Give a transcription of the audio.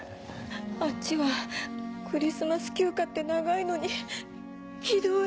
あっちはクリスマス休暇って長いのにひどい。